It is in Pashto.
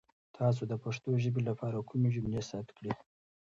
تاسو د پښتو ژبې لپاره کومې جملې ثبت کړي؟